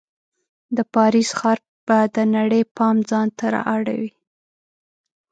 د پاریس ښار به د نړۍ پام ځان ته راواړوي.